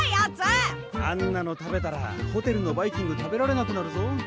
あんなの食べたらホテルのバイキング食べられなくなるぞ。